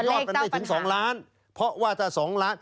อดมันไม่ถึง๒ล้านเพราะว่าถ้า๒ล้าน